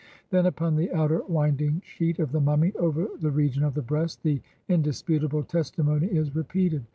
Then "upon the outer winding sheet of the mummy, over the region of the breast," the indis putable testimony is repeated.